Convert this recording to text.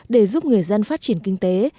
để giúp người dân phát triển kinh tế